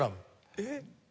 えっ？